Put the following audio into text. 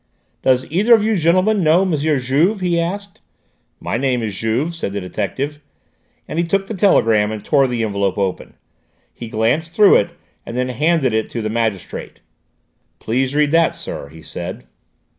"Does either of you gentlemen know M. Juve?" he asked. "My name is Juve," said the detective, and he took the telegram and tore the envelope open. He glanced through it and then handed it to the magistrate. "Please read that, sir," he said.